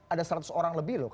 ada seratus orang lebih loh